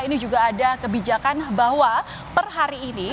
ini juga ada kebijakan bahwa per hari ini